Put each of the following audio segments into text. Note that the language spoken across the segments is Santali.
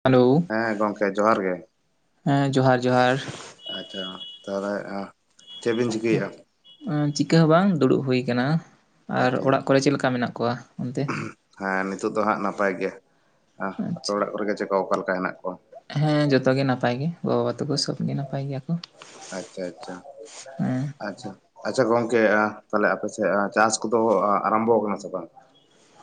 ᱦᱮᱞᱳ ᱦᱮᱸ ᱜᱚᱢᱠᱮ ᱡᱚᱦᱟᱨ ᱜᱮ, ᱦᱮᱸ ᱡᱚᱦᱟᱨ ᱡᱚᱦᱟᱨ ᱟᱪᱪᱷᱟ ᱛᱟᱦᱚᱞᱮ ᱪᱮᱫ ᱵᱤᱱ ᱪᱤᱠᱟᱹᱭᱮᱫᱟ, ᱪᱤᱠᱟᱹ ᱦᱚᱸ ᱵᱟᱝ ᱫᱩᱲᱩᱵ ᱦᱩᱭ ᱟᱠᱟᱱᱟ ᱟᱨ ᱟᱪᱪᱷᱟ ᱚᱲᱟᱜ ᱠᱚᱨᱮ ᱪᱮᱫ ᱞᱮᱠᱟ ᱢᱮᱱᱟᱜ ᱠᱚᱣᱟ ᱚᱱᱛᱮ ᱦᱮᱸ ᱱᱤᱛᱳᱜ ᱫᱚ ᱦᱟᱸᱜ ᱱᱟᱯᱟᱭ ᱜᱮᱭᱟ ᱟᱯᱮ ᱟᱪᱪᱷᱟ ᱚᱲᱟᱜ ᱠᱚᱨᱮᱜᱮ ᱪᱮᱠᱟ ᱚᱠᱟ ᱞᱮᱠᱟ ᱦᱮᱱᱟᱜ ᱠᱚᱣᱟ, ᱦᱮᱸ ᱡᱷᱚᱛᱚ ᱜᱮ ᱱᱟᱯᱟᱭ ᱜᱮ ᱜᱚ ᱵᱟᱵᱟ ᱛᱟᱠᱚ ᱥᱚᱵ ᱜᱮ ᱱᱟᱯᱟᱭ ᱜᱮᱭᱟ ᱠᱚ, ᱟᱪᱪᱷᱟ ᱟᱪᱪᱷᱟ, ᱦᱮᱸ᱾ ᱟᱪᱪᱷᱟ ᱟᱪᱪᱷᱟ ᱜᱚᱢᱠᱮ ᱛᱟᱦᱞᱮ ᱟᱯᱮ ᱥᱮᱫ ᱪᱟᱥ ᱠᱚᱫᱚ ᱟᱨᱚᱢᱵᱚ ᱟᱠᱟᱱᱟ ᱥᱮ ᱵᱟᱝ?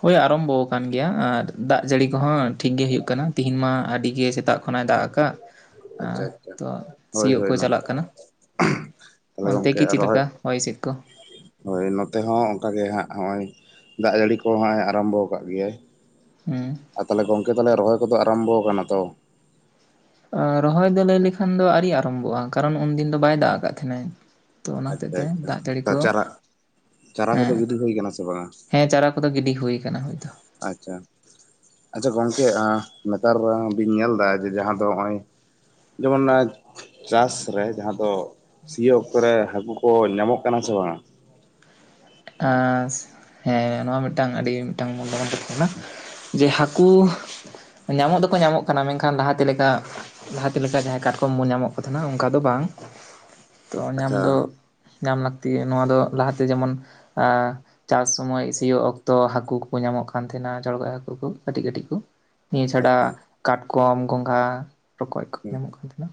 ᱦᱳᱭ ᱟᱨᱚᱢᱵᱚ ᱠᱟᱱ ᱜᱮᱭᱟ ᱟᱨ ᱫᱟᱜ ᱡᱟᱹᱲᱤ ᱠᱚᱦᱚᱸ ᱴᱷᱤᱠ ᱜᱮ ᱦᱩᱭᱩᱜ ᱠᱟᱱᱟ ᱛᱤᱦᱤᱧ ᱢᱟ ᱟᱹᱰᱤ ᱜᱮ ᱥᱮᱛᱟᱜ, ᱠᱷᱚᱱᱟᱜ ᱮ ᱫᱟᱜ ᱟᱠᱟᱜ ᱟᱪᱪᱷᱟ ᱮᱸ ᱟᱪᱪᱷᱟ ᱛᱚ ᱦᱳᱭ ᱥᱤᱭᱳᱜ ᱦᱳᱭ ᱠᱚᱭ ᱪᱟᱞᱟᱜ ᱠᱟᱱᱟ, ᱛᱟᱦᱚᱞᱮ ᱚᱱᱛᱮ ᱜᱚᱝᱠᱮ ᱜᱤ ᱪᱤᱫ ᱨᱚᱦᱚᱭ ᱞᱮᱠᱟ ᱦᱚᱭ ᱦᱤᱥᱤᱫ ᱠᱚ, ᱦᱳᱭ ᱱᱚᱛᱮ ᱦᱚᱸ ᱚᱱᱠᱟᱜ ᱜᱮ ᱦᱟᱸᱜ ᱦᱚᱸᱜᱼᱚᱭ ᱫᱟᱜ ᱡᱟᱹᱲᱤ ᱠᱚ ᱦᱟᱸᱜ ᱮ ᱟᱨᱚᱢᱵᱚ ᱠᱟᱜ ᱜᱮᱭᱟᱭ, ᱦᱮᱸ ᱟᱨ ᱛᱟᱦᱚᱞᱮ ᱜᱚᱝᱠᱮ ᱛᱟᱦᱚᱞᱮ ᱨᱚᱦᱚᱭ ᱠᱚᱫᱚ ᱟᱨᱟᱢᱵᱷᱚ ᱟᱠᱟᱱᱟ ᱛᱚ, ᱨᱚᱦᱚᱭ ᱫᱚ ᱞᱟᱹᱭ ᱞᱮᱠᱷᱟᱱ ᱫᱚ ᱟᱹᱣᱨᱤ ᱟᱨᱚᱢᱵᱷᱚᱜᱼᱟ ᱠᱟᱨᱚᱱ ᱩᱱᱫᱤᱱ ᱫᱚ ᱵᱟᱭ ᱫᱟᱜ ᱟᱠᱟᱫ ᱛᱟᱦᱮᱸᱱᱟᱭ, ᱛᱚ ᱚᱱᱟ ᱦᱚᱛᱮᱜ ᱟᱪᱪᱷᱟ ᱛᱮ ᱫᱟᱜ ᱡᱟᱹᱲᱤ ᱟᱪᱪᱷᱟ ᱠᱚ ᱪᱟᱨᱟ ᱪᱟᱨᱟ ᱦᱮᱸ ᱠᱚᱫᱚ ᱜᱤᱰᱤ ᱦᱩᱭ ᱠᱟᱱᱟ ᱥᱮ ᱵᱟᱝᱟ? ᱦᱮᱸ ᱪᱟᱨᱟ ᱠᱚᱫᱚ ᱜᱤᱰᱤ ᱦᱩᱭ ᱟᱠᱟᱱᱟ ᱦᱚᱭ ᱫᱚ ᱟᱪᱪᱷᱟ, ᱟᱪᱷᱟ ᱜᱚᱢᱠᱮ ᱟᱸ ᱱᱮᱛᱟᱨ ᱵᱤᱱ ᱧᱮᱞ ᱮᱫᱟ ᱡᱮ ᱡᱟᱦᱟᱸ ᱫᱚ ᱱᱚᱜ-ᱚᱭ, ᱡᱮᱢᱚᱱ ᱱᱟᱪ ᱪᱟᱥ ᱨᱮ ᱡᱟᱦᱟᱸ ᱫᱚ ᱥᱤᱭᱳᱜ ᱚᱠᱛᱚ ᱨᱮ ᱦᱟᱠᱩ ᱠᱚ ᱧᱟᱢᱚᱜ ᱠᱟᱱᱟ ᱥᱮ ᱵᱟᱝᱼᱟ? ᱦᱟᱸ ᱦᱮᱸ ᱱᱚᱣᱟ ᱢᱤᱫᱴᱟᱝ ᱟᱹᱰᱤ ᱢᱤᱫᱴᱟᱝ ᱢᱩᱚᱱ [unintelligible] ᱠᱟᱱᱟ ᱡᱮ ᱦᱟᱹᱠᱩ ᱧᱟᱢᱚᱜ ᱫᱚᱠᱚ ᱧᱟᱢᱚᱜ ᱠᱟᱱᱟ ᱢᱮᱱᱠᱷᱟᱱ ᱞᱟᱦᱟᱛᱮ ᱞᱮᱠᱟ, ᱞᱟᱦᱟᱛᱮ ᱞᱮᱠᱟ ᱡᱟᱦᱟᱸᱭ ᱠᱟᱴᱠᱚᱢ ᱵᱚ ᱧᱟᱢᱚᱜ ᱠᱚ ᱛᱟᱦᱮᱱᱟ ᱚᱱᱠᱟ ᱫᱚ ᱵᱟᱝ, ᱛᱚ ᱧᱟᱢ ᱟᱪᱪᱷᱟ ᱫᱚ ᱧᱟᱢ ᱞᱟᱹᱠᱛᱤ ᱜᱮ ᱱᱚᱣᱟ ᱫᱚ ᱞᱟᱦᱟᱛᱮ ᱡᱮᱢᱚᱱ ᱮᱸ ᱪᱟᱥ ᱥᱚᱢᱚᱭ ᱥᱤᱭᱳᱜ ᱚᱠᱛᱚ ᱦᱟᱹᱠᱩ ᱠᱚᱠᱚ ᱧᱟᱢᱚᱜ ᱠᱟᱱ ᱛᱟᱦᱮᱱ ᱟ ᱡᱚᱲᱜᱚᱡ ᱦᱟᱹᱠᱩ ᱠᱚ ᱠᱟᱹᱴᱤᱡ ᱠᱟᱹᱴᱤᱡ ᱠᱚ, ᱱᱤᱭᱟᱹ ᱪᱷᱟᱰᱟ ᱟᱪᱪᱷᱟ ᱠᱟᱴᱠᱚᱢ ᱜᱚᱝᱜᱷᱟ ᱨᱚᱠᱚᱡ ᱠᱚ ᱦᱩᱸ ᱧᱟᱢᱚᱜ ᱠᱟᱱ ᱛᱟᱦᱮᱱ ᱟ,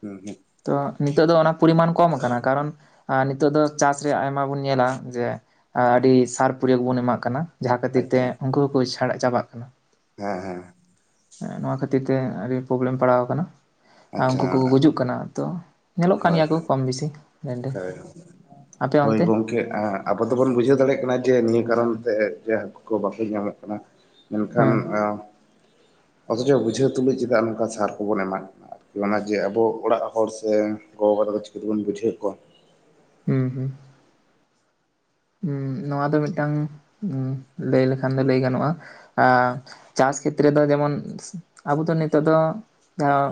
ᱦᱩᱸ ᱦᱩᱸ ᱛᱚ ᱱᱤᱛᱚᱜ ᱫᱚ ᱚᱱᱟ ᱯᱚᱨᱤᱢᱟᱱ ᱠᱚᱢ ᱟᱠᱟᱱᱟ ᱠᱟᱨᱚᱱ, ᱟᱨ ᱱᱤᱛᱚᱜ ᱫᱚ ᱪᱟᱥ ᱨᱮᱭᱟᱜ ᱟᱭᱢᱟ ᱵᱚᱱ ᱧᱮᱞᱟ ᱡᱮ, ᱟᱹᱰᱤ ᱥᱟᱨ ᱯᱨᱭᱳᱜ ᱵᱚᱱ ᱮᱢᱟᱜ ᱠᱟᱱᱟ ᱡᱟᱦᱟᱸ ᱠᱷᱟᱹᱛᱤᱨ ᱛᱮ ᱟᱪᱪᱷᱟ ᱩᱱᱠᱩ ᱦᱚᱸᱠᱚ ᱪᱷᱟᱲ ᱪᱟᱵᱟᱜ ᱠᱟᱱᱟ, ᱦᱮᱸ ᱦᱮᱸ, ᱦᱮᱸ ᱱᱚᱶᱟ ᱠᱷᱟᱹᱛᱤᱨ ᱛᱮ ᱟᱹᱰᱤ ᱯᱨᱚᱵᱞᱮᱢ ᱯᱟᱲᱟᱣ ᱟᱠᱟᱱᱟ, ᱟᱨ ᱟᱪᱪᱷᱟ ᱩᱱᱠᱩ ᱠᱚᱠᱚ ᱜᱩᱡᱩᱜ ᱠᱟᱱᱟ ᱛᱚ ᱧᱮᱞᱚᱜ ᱠᱟᱱ ᱦᱳᱭ ᱜᱮᱭᱟ ᱠᱚ ᱦᱳᱭ ᱠᱚᱢ ᱵᱤᱥᱤ ᱱᱚᱸᱰᱮ, ᱦᱚᱭ ᱜᱚᱢᱠᱮ ᱟ ᱟᱵᱚ ᱫᱚᱵᱚᱱ ᱵᱩᱡᱷᱟᱹᱣ ᱫᱟᱲᱮᱭᱟᱜ ᱠᱟᱱᱟ ᱡᱮ ᱱᱤᱭᱟᱹ ᱠᱟᱨᱚᱱᱟ ᱡᱮ ᱦᱟᱹᱠᱩ ᱠᱚ ᱵᱟᱠᱚ ᱧᱟᱢᱚᱜ ᱠᱟᱱᱟ, ᱢᱮᱱᱠᱷᱟᱱ ᱦᱮᱸ ᱚᱛᱷᱚᱪᱚ ᱵᱩᱡᱷᱟᱹᱣ ᱛᱩᱞᱩᱡ ᱪᱮᱫᱟᱜ ᱱᱚᱝᱠᱟ ᱥᱟᱨ ᱠᱚᱵᱚᱱ ᱮᱢᱟᱜ ᱠᱟᱱᱟ ᱟᱨ ᱚᱱᱟ ᱡᱮ ᱟᱵᱚ ᱚᱲᱟᱜ ᱦᱚᱲ ᱥᱮ ᱜᱚ ᱵᱟᱵᱟ ᱛᱟᱠᱚ ᱫᱚ ᱪᱤᱠᱟᱹ ᱛᱮᱵᱚᱱ ᱵᱩᱡᱷᱟᱹᱣ ᱠᱚᱣᱟ, ᱦᱩᱸ ᱦᱩᱸ ᱱᱚᱣᱟ ᱫᱚ ᱢᱤᱫᱴᱟᱝ ᱞᱟᱹᱭ ᱞᱮᱠᱷᱟᱱ ᱫᱚ ᱞᱟᱹᱭ ᱜᱟᱱᱚᱜᱼᱟ, ᱪᱟᱥ ᱠᱷᱮᱛᱨᱮ ᱫᱚ ᱡᱮᱢᱚᱱ ᱟᱵᱚ ᱫᱚ ᱱᱤᱛᱚᱜ ᱫᱚ ᱡᱟᱦᱟᱸ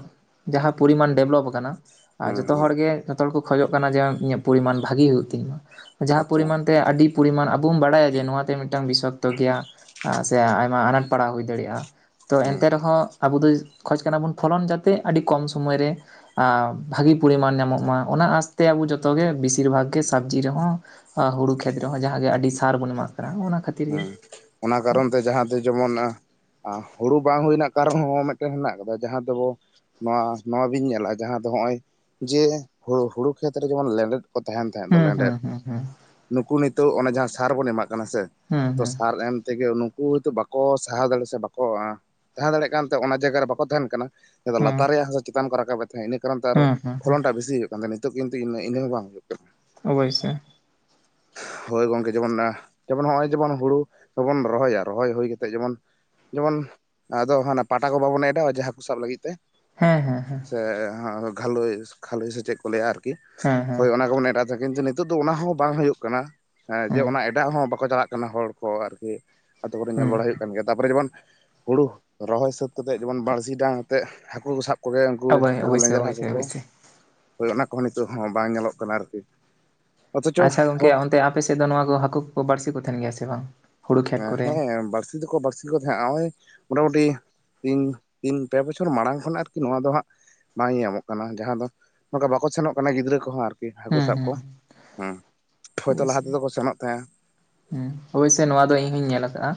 ᱡᱟᱦᱟᱸ ᱯᱚᱨᱤᱢᱟᱱ ᱰᱮᱵᱷᱞᱚᱯ ᱟᱠᱟᱱᱟ, ᱟᱨ ᱦᱩᱸ ᱡᱚᱛᱚ ᱦᱩᱸ ᱦᱚᱲᱜᱮ ᱡᱚᱛᱚ ᱦᱚᱲ ᱠᱷᱚᱡᱚᱜ ᱠᱟᱱᱟ ᱡᱮ ᱤᱧᱟᱹᱜ ᱯᱚᱨᱤᱢᱟᱱ ᱵᱷᱟᱜᱤ ᱦᱩᱭᱩᱜ ᱛᱤᱧ ᱢᱟ ᱡᱟᱦᱟᱸ ᱟᱪᱪᱷᱟ ᱯᱚᱨᱤᱢᱟᱱ, ᱛᱮ ᱟᱹᱰᱤ ᱯᱚᱨᱤᱢᱟᱱ ᱟᱵᱚᱱ ᱵᱟᱲᱟᱭᱟ ᱡᱮ ᱱᱚᱣᱟᱛᱮ ᱢᱤᱫᱴᱟᱝ ᱵᱤᱥᱚᱠᱛᱚ ᱜᱮᱭᱟ, ᱥᱮ ᱟᱭᱢᱟ ᱟᱱᱟᱴ ᱯᱟᱲᱟᱣ ᱦᱩᱭ ᱫᱟᱲᱮᱭᱟᱜᱼᱟ ᱛᱚ ᱦᱮᱸ ᱮᱱᱛᱮ ᱨᱮᱦᱚᱸ ᱟᱵᱚ ᱫᱚ ᱠᱷᱚᱡ ᱠᱟᱱᱟ ᱵᱚᱱ ᱯᱷᱚᱞᱚᱱ ᱡᱟᱛᱮ ᱟᱹᱰᱤ ᱠᱚᱢ ᱥᱩᱚᱢᱚᱭ ᱨᱮ ᱟ ᱵᱷᱟᱹᱜᱮ ᱯᱚᱨᱤᱢᱟᱱ ᱧᱟᱢᱚᱜ ᱢᱟ ᱚᱱᱟ ᱟᱥᱛᱮ ᱟᱵᱚ ᱡᱚᱛᱚᱜᱮ ᱵᱮᱥᱤᱨ ᱵᱷᱟᱜᱽ ᱜᱮ ᱥᱚᱵᱽᱡᱤ ᱨᱮᱦᱚᱸ ᱟᱸ ᱦᱩᱲᱩ ᱠᱷᱮᱛ ᱨᱮᱦᱚᱸ ᱡᱟᱦᱟᱸᱜᱮ ᱟᱹᱰᱤ ᱥᱟᱨ ᱵᱚᱱ ᱮᱢᱟᱜ ᱠᱟᱱᱟ, ᱚᱱᱟ ᱠᱷᱟᱹ ᱦᱮᱸ ᱚᱱᱟ ᱠᱟᱨᱚᱱ ᱛᱮ ᱡᱟᱦᱟᱸ ᱫᱚ ᱡᱮᱢᱚᱱ ᱟᱸ ᱟᱸ ᱦᱩᱲᱩ ᱵᱟᱝ ᱦᱩᱭ ᱨᱮᱱᱟᱜ ᱠᱟᱨᱚᱱ ᱦᱚᱸ ᱢᱤᱫᱴᱮᱱ ᱢᱮᱱᱟᱜᱮ ᱟᱠᱟᱫᱟ ᱡᱟᱦᱟᱸ ᱫᱚᱵᱚ ᱱᱚᱣᱟ ᱱᱚᱣᱟ ᱵᱤᱧ ᱧᱮᱞᱟ ᱡᱟᱦᱟᱸ ᱫᱚ ᱦᱚᱸᱜᱼᱚᱭ ᱡᱮ ᱦᱩᱲᱩ ᱦᱩᱲᱳ ᱠᱷᱮᱛᱨᱮ ᱡᱮᱢᱚᱱ ᱞᱮᱸᱰᱮᱫ ᱠᱚ ᱛᱟᱦᱮᱱ ᱛᱟᱦᱮᱸᱫ ᱫᱚ ᱦᱩᱸ ᱦᱩᱸ ᱞᱮᱸᱰᱮᱛ ᱦᱩᱸ ᱦᱩᱸ ᱱᱩᱠᱩ ᱱᱤᱛᱚᱜ ᱚᱱᱮ ᱡᱟᱦᱟᱸ ᱥᱟᱨ ᱵᱚᱱ ᱮᱢᱟᱜ ᱠᱟᱱᱟ ᱥᱮ᱾ ᱦᱩᱸ ᱛᱚ ᱦᱩᱸ ᱥᱟᱨ ᱮᱢ ᱛᱮᱜᱮ ᱩᱱᱠ ᱠᱩ ᱦ ᱦᱚᱭᱛᱳ ᱵᱟᱠᱚ ᱥᱟᱦᱟᱣ ᱫᱟᱲᱮ ᱥᱮ ᱵᱟᱠᱚ ᱮᱸ ᱛᱟᱦᱮᱸ ᱫᱟᱲᱮᱜ ᱠᱟᱱᱛᱮ ᱚᱱᱟ ᱡᱟᱭᱜᱟ ᱨᱮ ᱵᱟᱠᱚ ᱛᱟᱦᱮᱱ ᱠᱟᱱᱟ᱾ ᱦᱩᱸ ᱞᱟᱛᱟᱨ ᱨᱮᱭᱟᱜ ᱦᱟᱥᱟ ᱪᱮᱛᱟᱱ ᱠᱚ ᱨᱟᱠᱟᱵᱮᱫ ᱛᱟᱦᱮᱸᱜ ᱤᱱᱟᱹ ᱠᱟᱨᱚᱱ ᱛᱮ ᱟᱨᱚ ᱦᱩᱸ ᱦᱩᱸ ᱦᱩᱸ ᱯᱷᱚᱞᱚᱱ ᱴᱟᱜ ᱵᱮᱥᱤ ᱦᱩᱭᱩᱜ ᱱᱤᱛᱚᱜ ᱠᱤᱱᱛᱩ ᱤᱱᱟᱹ ᱤᱱᱟᱹ ᱦᱚᱸ ᱵᱟᱝ᱾ ᱚᱵᱚᱥᱳᱭ ᱦᱳᱭ ᱜᱚᱝᱠᱮ ᱡᱮᱢᱚᱱ ᱟ ᱡᱮᱢᱚᱱ ᱦᱚᱸᱜᱼᱚᱭ ᱡᱮᱢᱚᱱ ᱦᱩᱲᱩ ᱫᱚᱵᱚᱱ ᱨᱚᱦᱚᱭᱟ ᱨᱚᱦᱚᱭ ᱦᱩᱭ ᱠᱟᱛᱮᱜ ᱡᱮᱢᱚᱱ ᱡᱮᱢᱚᱱ ᱟᱫᱚ ᱦᱟᱱᱟ ᱯᱟᱴᱟ ᱠᱚ ᱵᱟᱵᱚᱱ ᱮᱰᱟᱣᱟ ᱡᱟᱦᱟᱸ ᱦᱟᱹᱠᱩ ᱥᱟᱵ ᱞᱟᱹᱜᱤᱫ ᱛᱮ᱾ ᱦᱮᱸ ᱦᱮᱸ ᱦᱮᱸ ᱮ ᱜᱷᱟᱹᱞᱳᱭ ᱜᱷᱟᱹᱞᱳᱟᱹᱭ ᱥᱮ ᱪᱮᱫ ᱠᱚ ᱞᱟᱹᱭᱟ ᱟᱨᱠᱤ ᱦᱮᱸ ᱦᱮᱸ ᱦᱳᱭ ᱚᱱᱟ ᱠᱚ ᱵᱚᱱ ᱮᱰᱟ ᱪᱟ ᱠᱤᱱᱛᱩ ᱱᱤᱛᱚᱜ ᱫᱚ ᱚᱱᱟ ᱦᱚᱸ ᱵᱟᱝ ᱦᱩᱭᱩᱜ ᱠᱟᱱᱟ, ᱡᱮ ᱦᱩᱸ ᱚᱱᱟ ᱮᱰᱟᱜ ᱦᱚᱸ ᱵᱟᱠᱚ ᱪᱟᱞᱟᱜ ᱠᱟᱱᱟ ᱦᱚᱲ ᱠᱚ ᱟᱨᱠᱤ᱾ ᱟᱛᱳ ᱠᱚᱨᱮ ᱧᱮᱞ ᱦᱩᱸ ᱵᱟᱲᱟ ᱦᱩᱭᱩᱜ ᱠᱟᱱ ᱜᱮᱭᱟ ᱛᱟᱯᱚᱨᱮ ᱡᱮᱢᱚᱱ ᱦᱩᱲᱩ ᱨᱚᱦᱚᱭ ᱥᱟᱹᱛ ᱠᱟᱛᱮᱜ ᱡᱮᱢᱚᱱ ᱵᱟᱹᱲᱥᱤ ᱰᱟᱝ ᱟᱛᱮᱜ ᱦᱟᱹᱠᱩ ᱥᱟᱵ ᱠᱚᱜᱮ ᱩᱝᱠᱩ ᱚᱵᱚᱭ ᱡᱟᱦᱟᱸ ᱫᱚ ᱚᱵᱚᱥᱥᱳᱭ ᱞᱮᱧᱡᱽᱨᱟ ᱦᱟᱹᱠᱩ ᱚᱵᱚᱥᱥᱳᱭ ᱠᱚ ᱚᱵᱚᱥᱥᱳᱭ ᱦᱳᱭ ᱚᱱᱟ ᱠᱚᱦᱚᱸ ᱱᱤᱛᱚᱜ ᱦᱚᱸ ᱵᱟᱝ ᱧᱮᱞᱚᱜ ᱠᱟᱱᱟ ᱟᱨᱠᱤ᱾ ᱚᱛᱷᱚᱪᱚ ᱟᱪᱪᱷᱟ ᱜᱚᱝᱠᱮ ᱚᱱᱛᱮ ᱟᱯᱮ ᱥᱮᱫ ᱫᱚ ᱱᱚᱣᱟ ᱠᱚ ᱦᱟᱹᱠᱩ ᱠᱚᱠᱚ ᱵᱟᱹᱲᱥᱤ ᱠᱩ ᱛᱟᱦᱮᱱ ᱜᱮᱭᱟ ᱥᱮ ᱵᱟᱝ? ᱦᱩᱲᱩ ᱠᱷᱮᱛ ᱮ ᱠᱚᱨᱮ ᱦᱮᱸ ᱵᱟᱹᱲᱥᱤ ᱫᱚᱠᱚ ᱵᱟᱹᱲᱥᱤ ᱠᱚ ᱛᱟᱦᱮᱸᱱᱟ ᱦᱚᱸᱜᱼᱚᱭ ᱢᱚᱴᱟᱢᱩᱴᱤ ᱤᱧ ᱤᱧ ᱯᱮ ᱵᱚᱪᱷᱚᱨ ᱢᱟᱲᱟᱝ ᱠᱷᱚᱱ ᱟᱨᱠᱤ ᱱᱚᱣᱟ ᱫᱚ ᱦᱟᱸᱜ ᱵᱟᱝ ᱧᱟᱢᱚᱜ ᱠᱟᱱᱟ ᱡᱟᱦᱟᱸ ᱫᱚ ᱱᱚᱝᱠᱟ ᱵᱟᱠᱚ ᱥᱮᱱᱚᱜ ᱠᱟᱱᱟ ᱜᱤᱫᱽᱨᱟᱹ ᱠᱚᱦᱚᱸ ᱟᱨ ᱦᱟᱹᱠᱩ ᱦᱩᱸ ᱥᱟᱵ ᱠᱚ ᱦᱩᱸ ᱦᱩᱸ ᱦᱚᱭ ᱛᱚ ᱞᱟᱦᱟ ᱛᱮᱫᱚ ᱠᱚ ᱥᱮᱱᱚᱜ ᱛᱟᱦᱮᱸᱫ᱾ ᱦᱩᱸ ᱦᱳᱭ ᱥᱮ ᱱᱚᱣᱟ ᱫᱚ ᱤᱧ ᱦᱚᱸᱧ ᱧᱮᱞ ᱠᱟᱜᱼᱟ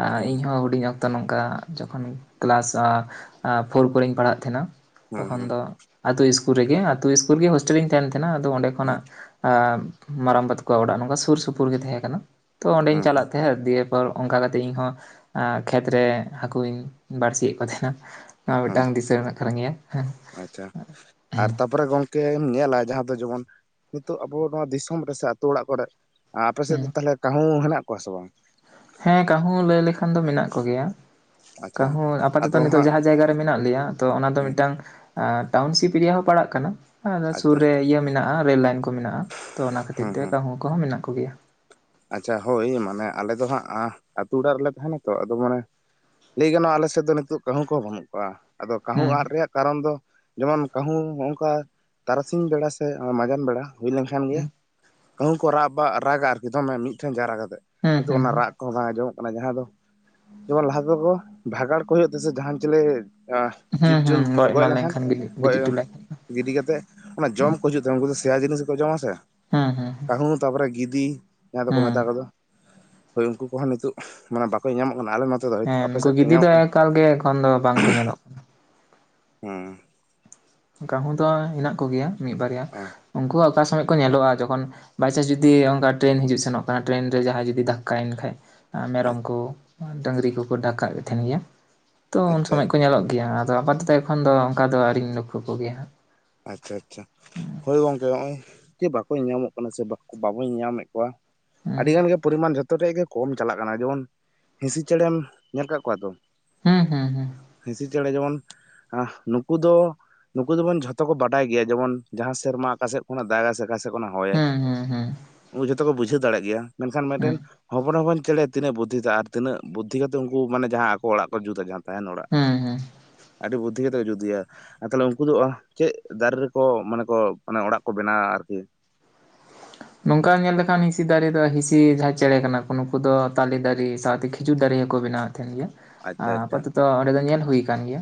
ᱟ ᱦᱩᱸ ᱤᱧ ᱦᱚᱸ ᱦᱩᱰᱤᱧ ᱚᱠ ᱛᱚ ᱱᱚᱝᱠᱟ ᱡᱚᱠᱷᱚᱱ ᱠᱮᱞᱟᱥ ᱟᱸ ᱟᱸ ᱯᱷᱳᱨ ᱠᱚᱨᱮᱧ ᱯᱟᱲᱦᱟᱜ ᱛᱟᱦᱮᱱᱟ᱾ ᱦᱩᱸ ᱛᱚᱠᱷᱚᱱ ᱦᱩᱸ ᱫᱚ ᱟᱛᱳ ᱤᱥᱠᱩᱞ ᱨᱮᱜᱮ ᱟᱛᱳ ᱤᱥᱠᱩᱞ ᱨᱮᱜᱮ ᱦᱳᱥᱴᱮᱞ ᱨᱮᱧ ᱛᱟᱦᱮᱱ ᱛᱟᱦᱮᱸᱱᱟ ᱟᱫᱚ ᱚᱸᱰᱮ ᱠᱷᱚᱱᱟᱜ ᱟ ᱢᱟᱨᱟᱢᱵᱟ ᱛᱟᱠᱚᱣᱟᱜ ᱚᱲᱟᱜ ᱱᱚᱝᱠᱟ ᱥᱩᱨ ᱥᱩᱯᱩᱨ ᱜᱮ ᱛᱟᱦᱮᱸ ᱠᱟᱱᱟ, ᱛᱚ ᱚᱸᱰᱮᱧ ᱦᱩᱸ ᱦᱩᱸ ᱪᱟᱞᱟᱜ ᱛᱟᱦᱮᱸᱜ ᱫᱤᱭᱮ ᱟᱨ ᱚᱝᱠᱟ ᱠᱟᱛᱮᱜ ᱤᱧ ᱦᱚᱸ ᱠᱷᱮᱛᱨᱮ ᱟᱸ ᱦᱟᱹᱠᱩᱧ ᱵᱟᱲᱥᱤ ᱭᱮᱜ ᱠᱚ ᱛᱟᱦᱮᱱᱟ᱾ ᱱᱚᱣᱟ ᱦᱩᱸ ᱢᱤᱫᱴᱟᱝ ᱫᱤᱥᱟᱹ ᱨᱮᱱᱟᱜ ᱠᱟᱱ ᱜᱮᱭᱟ᱾ ᱟᱪᱪᱷᱟ ᱟᱨ ᱛᱟᱯᱚᱨᱮ ᱜᱚᱝ ᱠᱮ ᱧᱮᱞᱟ ᱡᱟᱦᱟᱸ ᱫᱚ ᱡᱮᱢᱚᱱ ᱱᱤᱛᱳᱜ ᱟᱵᱚ ᱱᱚᱣᱟ ᱫᱤᱥᱚᱢ ᱨᱮ ᱥᱮ ᱟᱛᱚ ᱚᱲᱟᱜ ᱠᱚᱨᱮᱜ ᱟᱯᱮ ᱥᱮᱫ ᱦᱮᱸ ᱫᱚ ᱛᱟᱦᱞᱮ ᱠᱟᱺᱦᱩ ᱦᱮᱱᱟᱜ ᱠᱚᱣᱟ ᱥᱮ ᱵᱟᱝ? ᱦᱮᱸ ᱠᱟᱺᱦᱩ ᱞᱟᱹᱭ ᱞᱮᱠᱷᱟᱱ ᱫᱚ ᱢᱮᱱᱟᱜ ᱠᱚ ᱜᱮᱭᱟ, ᱟᱪᱪᱷᱟ ᱠᱟᱺᱦᱩ ᱟᱯᱟᱛᱚᱛᱚ ᱟᱫᱚ ᱱᱤᱛᱚᱜ ᱦᱟᱸᱜ ᱡᱟᱦᱟᱸ ᱡᱟᱭᱜᱟ ᱢᱮᱱᱟᱜ ᱞᱮᱭᱟ ᱛᱚ ᱚᱱᱟ ᱫᱚ ᱢᱤᱫᱴᱟᱝ ᱴᱟᱣᱩᱱᱥᱤᱯ ᱮᱨᱤᱭᱟ ᱦᱚᱸ ᱯᱟᱲᱟᱜ ᱠᱟᱱᱟ ᱥᱩᱨ ᱟᱪᱪᱷᱟ ᱨᱮ ᱟᱪᱪᱷᱟ ᱤᱭᱟᱹ ᱢᱮᱱᱟᱜ ᱟᱸ ᱨᱮᱞ ᱞᱟᱭᱤᱱ ᱠᱚ ᱢᱮᱱᱟᱜᱼᱟ, ᱛᱚ ᱚᱱᱟ ᱠᱷᱟᱹᱛᱤᱨ ᱦᱩᱸ ᱛᱮ ᱦᱩᱸ ᱠᱟᱺᱦᱩ ᱠᱚᱦᱚᱸ ᱢᱮᱱᱟᱜ ᱠᱚᱜᱮᱭᱟ᱾ ᱟᱪᱪᱷᱟ ᱦᱳᱭ ᱢᱟᱱᱮ ᱟᱞᱮ ᱫᱚ ᱦᱟᱸᱜ ᱟᱸ ᱟᱛᱳ ᱚᱲᱟᱜ ᱨᱮᱞᱮ ᱛᱟᱦᱮᱸᱱᱟ ᱛᱚ ᱟᱫᱚ ᱢᱟᱱᱮ ᱞᱟᱹᱭ ᱜᱟᱱᱚᱜᱼᱟ ᱟᱞᱮ ᱥᱮᱫ ᱫᱚ ᱱᱤᱛᱚᱜ ᱠᱟᱺᱦᱩ ᱠᱚᱦᱚᱸ ᱵᱟᱱᱩᱜ ᱠᱚᱣᱟ ᱟᱫᱚ ᱠᱟᱺᱦᱩ ᱦᱩᱸ ᱟᱫ ᱨᱮᱭᱟᱜ ᱠᱟᱨᱚᱱ ᱫᱚ ᱡᱮᱢᱚᱱ ᱠᱟᱺᱦᱩ ᱦᱚᱜᱼᱚᱝᱠᱟ ᱛᱟᱨᱟᱥᱤᱧ ᱵᱮᱲᱟ ᱥᱮ ᱢᱟᱡᱟᱱ ᱵᱮᱲᱟ ᱦᱩᱭ ᱞᱮᱱᱠᱷᱟᱱ ᱜᱮ ᱦᱩᱸ ᱠᱟᱦᱩᱸ ᱠᱚ ᱨᱟᱜ ᱵᱟ ᱨᱟᱜᱟ ᱟᱨᱠᱤ ᱫᱚᱢᱮ ᱢᱤᱫᱴᱷᱮᱱ ᱡᱟᱣᱨᱟ ᱠᱟᱛᱮᱫ ᱦᱩᱸ ᱠᱤᱱᱛᱩ ᱦᱩᱸ ᱚᱱᱟ ᱨᱟᱜ ᱠᱚ ᱵᱟᱝ ᱟᱸᱡᱚᱢᱚᱜ ᱠᱟᱱᱟ ᱡᱟᱦᱟᱸ ᱫᱚ ᱡᱮᱢᱚᱱ ᱞᱟᱦᱟ ᱛᱮᱫᱚ ᱠᱚ ᱵᱷᱟᱜᱟᱲ ᱠᱚ ᱦᱩᱭᱩᱜ ᱛᱮᱥᱮ ᱡᱟᱸᱦᱟᱱ ᱪᱮᱞᱮ ᱟᱸ ᱦᱩᱸ ᱦᱩᱸ ᱡᱤᱵᱽᱡᱚᱱᱛᱩ ᱜᱚᱡ ᱮᱢᱟᱱ ᱞᱮᱱᱠᱷᱟᱱ ᱜᱤ ᱜᱚᱡ ᱜᱤᱛᱤᱡ ᱦᱚᱴᱚ ᱞᱟᱭ ᱦᱩᱭᱩᱜᱼᱟ ᱜᱤᱰᱤ ᱠᱟᱛᱮᱜ ᱚᱱᱟ ᱡᱚᱢ ᱠᱚ ᱦᱤᱡᱩᱜ ᱛᱟᱦᱮᱸ ᱩᱝᱠᱩ ᱫᱚ ᱥᱮᱭᱟ ᱡᱤᱱᱤᱥ ᱜᱮᱠᱚ ᱡᱚᱢᱟ ᱥᱮ᱾ ᱦᱩᱸ ᱦᱩᱸ ᱦᱩᱸ ᱦᱩᱸ ᱛᱟᱯᱚᱨᱮ ᱜᱤᱫᱤ ᱡᱟᱦᱟᱸ ᱫᱚᱠᱚ ᱢᱮᱛᱟ ᱠᱚᱫᱚ᱾ ᱦᱳᱭ ᱩᱝᱠᱩ ᱠᱚᱦᱚᱸ ᱱᱤᱛᱳᱜ ᱢᱟᱱᱮ ᱵᱟᱠᱚ ᱧᱮᱧᱟᱢᱚᱜ ᱠᱟᱱᱟ ᱟᱞᱮ ᱱᱚᱛᱮ ᱫᱚ, ᱦᱮᱸ ᱟᱯᱮ ᱱᱩᱠᱩ ᱥᱮᱫ ᱠᱚ ᱜᱤᱫᱤ ᱫᱚ ᱧᱮᱧᱟᱢᱚᱜ ᱠᱟᱱᱟ? ᱮᱠᱟᱞ ᱜᱮ ᱮᱠᱷᱚᱱ ᱫᱚ ᱵᱟᱝᱠᱚ ᱧᱮᱞᱚᱜ ᱠᱟᱱᱟ᱾ ᱦᱩᱸ ᱠᱟᱦᱩ ᱫᱚ ᱦᱮᱱᱟᱜ ᱠᱚᱜᱮᱭᱟ ᱢᱤᱫ ᱵᱟᱨᱭᱟ ᱚ ᱩᱱᱠᱩ ᱦᱚᱸ ᱚᱠᱟ ᱥᱚᱢᱚᱭ ᱠᱚ ᱧᱮᱞᱚᱜ-ᱟ ᱡᱚᱠᱷᱚᱱ ᱵᱟᱭᱪᱟᱥ ᱡᱩᱫᱤ ᱚᱱᱠᱟ ᱴᱨᱮᱱ ᱦᱤᱡᱩᱜ ᱥᱮᱱᱚᱜ ᱠᱟᱱᱟ ᱴᱨᱮᱱ ᱨᱮ ᱡᱟᱦᱟᱸᱭ ᱡᱩᱫᱤ ᱫᱷᱟᱠᱠᱟᱭᱮᱱ ᱠᱷᱟᱡ᱾ ᱮ ᱢᱮᱨᱚᱢ ᱟᱪᱪᱷᱟ ᱠᱚ ᱰᱟᱹᱝᱨᱤ ᱠᱚᱠᱚ ᱰᱟᱠᱠᱟ ᱜᱮᱫ ᱛᱟᱦᱮᱱ ᱜᱮᱭᱟ ᱛᱚ ᱩᱱ ᱟᱪᱪᱷᱟ ᱥᱚᱢᱚᱭ ᱠᱚ ᱧᱮᱞᱚᱜ ᱜᱮᱭᱟ᱾ ᱜᱮᱭᱟ ᱟᱫᱚ ᱟᱯᱟᱛᱚᱛᱚ ᱮᱠᱷᱚᱱ ᱫᱚ ᱚᱱᱠᱟ ᱫᱚ ᱟᱹᱣᱨᱤᱧ ᱞᱚᱠᱠᱷᱚ ᱠᱚᱜᱮᱭᱟ ᱦᱟᱜ᱾ ᱟᱪᱪᱷᱟ ᱟᱪᱪᱷᱟ ᱦᱳᱭ ᱜᱚᱝᱠᱮ ᱱᱚᱜ-ᱚᱭ ᱡᱮ ᱵᱟᱠᱚ ᱧᱮᱧᱟᱢᱚᱜ ᱠᱟᱱᱟ ᱥᱮ ᱵᱟᱵᱚ ᱧᱟᱢᱮᱫ ᱠᱚᱣᱟ᱾ ᱦᱟᱸᱜ ᱟᱹᱰᱤ ᱜᱟᱱ ᱜᱮ ᱯᱚᱨᱤᱢᱟᱱ ᱡᱷᱚᱛᱚ ᱨᱮᱭᱟᱜ ᱜᱮ ᱠᱚᱢ ᱪᱟᱞᱟᱜ ᱠᱟᱱᱟ ᱡᱮᱢᱚᱱ ᱦᱤᱸᱥᱤ ᱪᱮᱬᱮᱢ ᱧᱮᱞ ᱠᱟᱜ ᱠᱚᱣᱟ ᱛᱚ᱾ ᱦᱩᱸ ᱦᱩᱸ ᱦᱩᱸ ᱦᱤᱸᱥᱤ ᱪᱮᱬᱮ ᱡᱮᱢᱚᱱ ᱱᱩᱠᱩ ᱫᱚ ᱱᱩᱠᱩ ᱫᱚᱵᱚᱱ ᱡᱷᱚᱛ ᱛᱚ ᱠᱚ ᱵᱟᱰᱟᱭ ᱜᱮᱭᱟ ᱡᱮᱢᱚᱱ ᱡᱟᱦᱟᱸ ᱥᱮᱨᱢᱟ ᱚᱠᱟᱥᱮᱫ ᱠᱷᱚᱱᱟᱜ ᱫᱟᱜᱟᱭ ᱥᱮ ᱚᱠᱟᱥᱮᱫ ᱠᱷᱚᱱᱟᱜ ᱦᱚᱭᱟᱭ᱾ ᱦᱩᱸ ᱦᱩᱸ ᱦᱩᱸ ᱦᱩᱸ ᱩᱱᱠᱩ ᱡᱷᱚᱛᱚ ᱠᱚ ᱵᱩᱡᱷᱟᱹᱣ ᱫᱟᱲᱮᱭᱟᱜ ᱜᱮᱭᱟ ᱢᱮᱱᱠᱷᱟᱱ ᱦᱩᱸ ᱢᱤᱫᱴᱮᱱ ᱦᱚᱯᱚᱱ ᱦᱚᱯᱚᱱ ᱪᱮᱬᱮ ᱛᱤᱱᱟᱹᱜ ᱵᱩᱫᱷᱤ ᱟᱨ ᱛᱤᱱᱟᱹᱜ ᱵᱩᱫᱷᱤ ᱠᱟᱛᱮ ᱩᱱᱠᱩ ᱢᱟᱱᱮ ᱡᱟᱦᱟᱸ ᱟᱠᱚ ᱚᱲᱟᱜ ᱠᱚ ᱡᱩᱛᱟ ᱛᱟᱦᱮᱱ ᱚᱲᱟᱜ ᱦᱩᱸ ᱦᱩᱸ ᱟᱹᱰᱤ ᱵᱩᱫᱽᱫᱷᱤ ᱠᱟᱛᱮ ᱠᱚ ᱡᱩᱫ ᱜᱮᱭᱟ ᱟᱨ ᱛᱟᱦᱚᱞᱮ ᱩᱱᱠᱩ ᱫᱚ ᱟᱹᱦ ᱪᱮᱫ ᱫᱟᱨᱮ ᱨᱮᱠᱚ ᱢᱟᱱᱮ ᱠᱚ ᱢᱟᱱᱮ ᱚᱲᱟᱜ ᱠᱚ ᱵᱮᱱᱟᱣᱟ ᱟᱨᱠᱤ᱾ ᱱᱚᱝᱠᱟ ᱧᱮᱞ ᱞᱮᱠᱷᱟᱱ ᱦᱤᱸᱥᱤ ᱫᱟᱨᱮ ᱫᱚ ᱦᱤᱸᱥᱤ ᱡᱟᱦᱟᱸᱭ ᱪᱮᱬᱮ ᱠᱟᱱᱟ ᱠᱚ ᱱᱩᱠᱩ ᱫᱚ ᱛᱟᱞᱮ ᱫᱟᱨᱤ ᱥᱟᱶᱛᱮ ᱠᱷᱤ ᱠᱷᱤᱡᱩᱨ ᱫᱟᱨᱮ ᱦᱚᱸᱠᱚ ᱵᱮᱱᱟᱣ ᱮᱫ ᱛᱟᱦᱮᱱ ᱜᱮᱭᱟ ᱟᱪᱪᱷᱟ ᱟᱪᱪᱷᱟ ᱟᱯᱟᱛᱚᱛᱚ ᱚᱸᱰᱮ ᱫᱚ ᱧᱮᱞ ᱦᱩᱭ ᱠᱟᱱ ᱜᱮᱭᱟ᱾